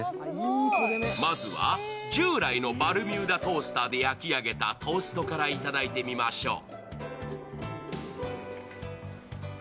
まずは従来のＢＡＬＭＵＤＡトースターで焼き上げたトーストからいただいてみましょう。